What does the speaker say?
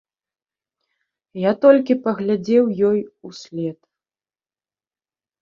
Я толькі паглядзеў ёй услед.